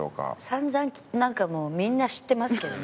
散々なんかもうみんな知ってますけどね。